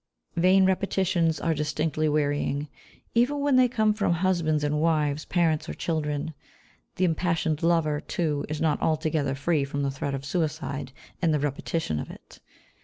"Vain repetitions" are distinctly wearying, even when they come from husbands and wives, parents or children; the impassioned lover, too, is not altogether free from the threat of suicide and the repetition of it.